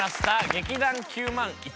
「劇団９０００１」。